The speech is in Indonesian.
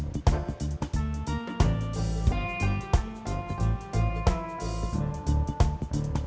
bisa langsung cari yang lagi kecil